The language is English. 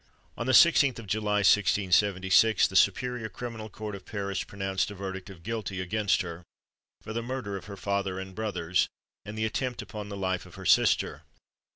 On the 16th of July, 1676, the Superior Criminal Court of Paris pronounced a verdict of guilty against her, for the murder of her father and brothers, and the attempt upon the life of her sister.